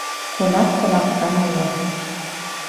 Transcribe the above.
Ҡунаҡ ҡунаҡтан оло.